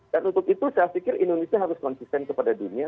dan untuk itu saya pikir indonesia harus konsisten kepada dunia